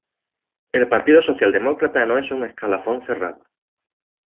El Partido Social Demócrata no es un escalafón cerrado.